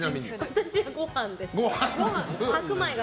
私はご飯です。